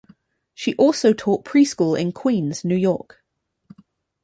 She also taught preschool in Queens, New York.